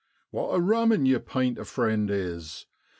What a rummen yer painter friend is.